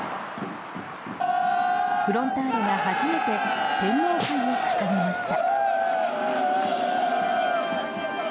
フロンターレが初めて天皇杯を掲げました。